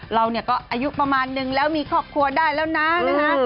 เราก็อายุประมาณนึงแล้วมีครอบครัวได้แล้วนะ